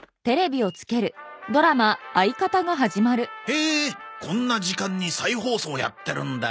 へえこんな時間に再放送やってるんだ。